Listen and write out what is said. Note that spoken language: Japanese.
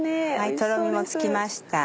とろみもつきました。